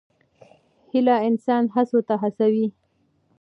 هیله انسان هڅو ته هڅوي.